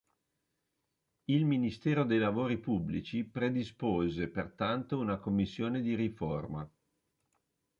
Il Ministero dei Lavori Pubblici predispose pertanto una commissione di riforma.